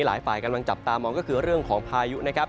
หลายฝ่ายกำลังจับตามองก็คือเรื่องของพายุนะครับ